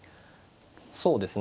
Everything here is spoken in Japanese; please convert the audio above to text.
そうですね。